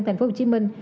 thành phố hồ chí minh